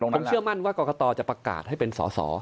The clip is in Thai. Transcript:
ผมเชื่อมั่นว่ากรกตจะประกาศให้เป็นสอสอ